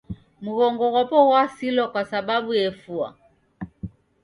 Mghongo ghw'apo ghw'asilwa kwasababu efua.